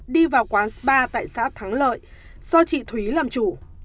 đi vào quán spa tại xã thắng lợi do chị thúy làm chủ